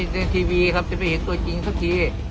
ในทีวีครับจะไม่เห็นตัวจริงสักที